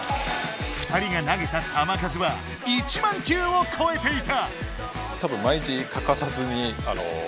２人が投げた球数は１万球をこえていた！